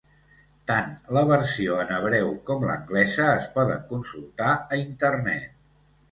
Tant la versió en hebreu com l'anglesa es poden consultar a internet.